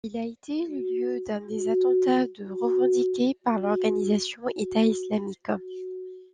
Il a été le lieu d'un des attentats du revendiqués par l'organisation État islamique.